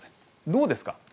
どうですか。